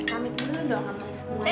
amit dulu dong sama semuanya